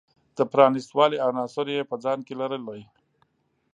د پرانیست والي عناصر یې په ځان کې لرلی.